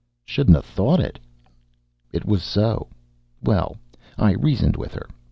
"Shouldn't 'a' thought it." "It was so. Well I reasoned with her.